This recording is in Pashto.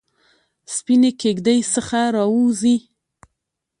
سپینې کیږ دۍ څخه راووزي